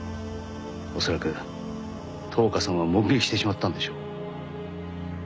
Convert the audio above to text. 恐らく橙花さんは目撃してしまったんでしょう。